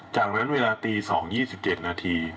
จากนั้นเวลาตี๒๒๗นาที